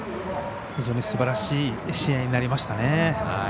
非常にすばらしい試合になりましたね。